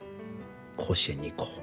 甲子園に行こう